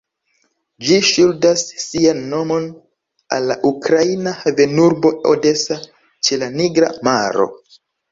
Ĝi ŝuldas sian nomon al la ukraina havenurbo Odesa ĉe la Nigra Maro.